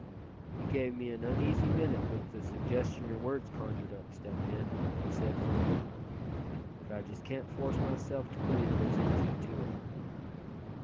"You gave me an uneasy minute with the suggestion your words conjured up, Step Hen," he said, firmly; "but I just can't force myself to believe there's anything to it."